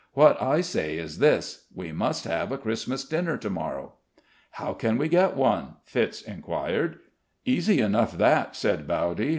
"What I say is this: We must have a Christmas dinner to morrow." "How can we get one?" Fitz enquired. "Easy enough that," said Bowdy.